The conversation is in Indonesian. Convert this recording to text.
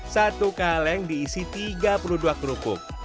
satu kaleng diisi tiga puluh dua kerupuk